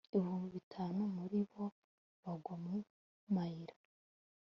ibihumbi bitanu muri bo bagwa mu mayira